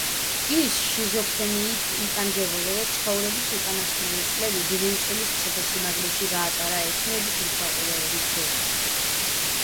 ის შიზოფრენიით იტანჯებოდა და ცხოვრების უკანასკნელი წლები ბრიუსელის ციხესიმაგრეში გაატარა ექიმების მეთვალყურეობის ქვეშ.